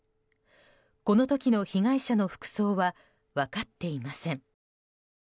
この時の被害者の服装は分かっていません。